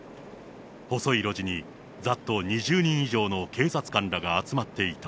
細い路地に、ざっと２０人以上の警察官らが集まっていた。